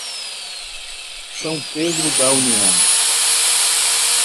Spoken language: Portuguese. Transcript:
São Pedro da União